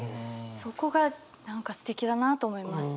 そこが何かすてきだなと思います。